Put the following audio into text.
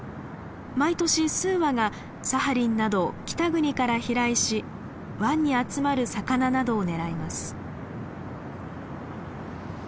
毎年数羽がサハリンなど北国から飛来し湾に集まる魚などを狙います。